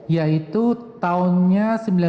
yaitu tahunnya seribu sembilan ratus tujuh puluh dua